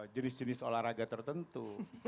jenis jenis olahraga tertentu